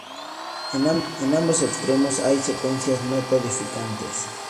En ambos extremos hay secuencias no codificantes.